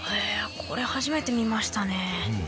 これ初めて見ましたね。